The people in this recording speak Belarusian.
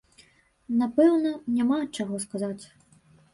Напэўна, няма чаго сказаць.